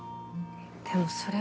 でもそれは。